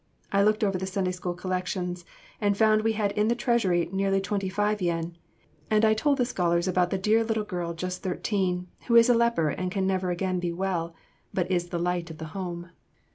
I looked over the Sunday School collections, and found we had in the treasury nearly twenty five yen, and I told the scholars about the dear little girl just thirteen, who is a leper and can never again be well, but is the light of the Home.